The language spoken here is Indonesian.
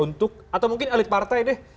untuk atau mungkin elit partai deh